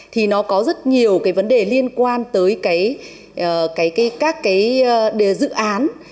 thì nó có rất nhiều cái vấn đề liên quan tới các cái dự án